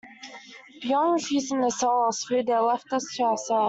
Beyond refusing to sell us food, they left us to ourselves.